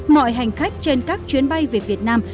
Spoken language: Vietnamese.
mọi hành khách trên các chuyến bay về việt nam